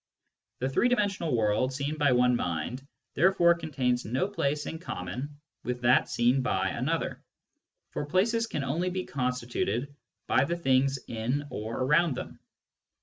The three dimensional world seen by one mind therefore contains no place in common with that seen by another, for places can only be constituted by the things in or around them.